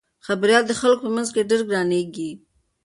خبریال د خلکو په منځ کې ډېر ګرانیږي.